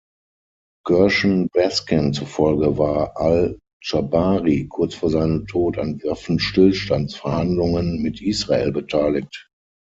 Gershon Baskin zufolge war al-Dschabari kurz vor seinem Tod an Waffenstillstandsverhandlungen mit Israel beteiligt.